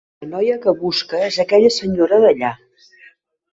La noia que busca és aquella senyora d'allà.